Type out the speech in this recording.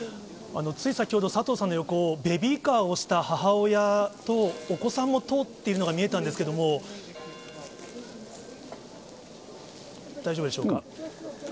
つい先ほど佐藤さんの横を、ベビーカーを押した母親と、お子さんも通っているのが見えたんですけれども、大丈夫でしょうか？